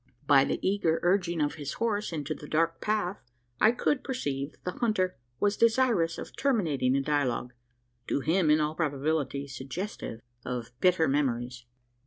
By the eager urging of his horse into the dark path, I could perceive that the hunter was desirous of terminating a dialogue to him, in all probability, suggestive of bitter memories.